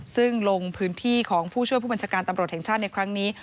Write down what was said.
ซึ่งลงพื้นที่ของผู้ช่วยผู้บัญชาการตำรวจแห่งชาติในครั้งนี้